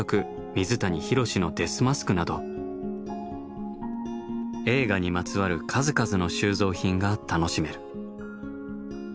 水谷浩のデスマスクなど映画にまつわる数々の収蔵品が楽しめる。